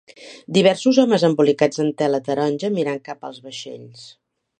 Diversos homes embolicats en tela taronja mirant cap als vaixells.